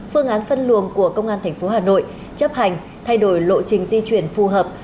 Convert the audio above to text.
phương án phân luồng của công an tp hà nội chấp hành thay đổi lộ trình di chuyển phù hợp